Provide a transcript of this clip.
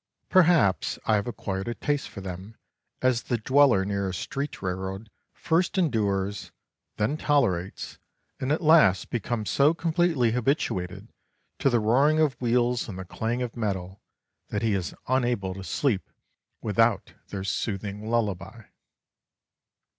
Perhaps I have acquired a taste for them as the dweller near a street railroad first endures, then tolerates, and at last becomes so completely habituated to the roaring of wheels and the clang of metal that he is unable to sleep without their soothing lullaby.